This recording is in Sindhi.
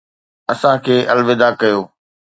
اسان کي الوداع ڪيو